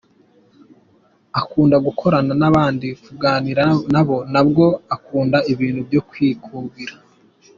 Akunda gukorana n’abandi kuganira nabo, ntabwo akunda ibintu byo kwikubira.